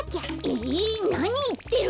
えなにいってるの！